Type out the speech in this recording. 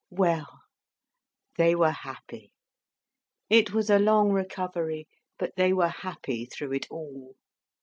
Well! They were happy. It was a long recovery, but they were happy through it all.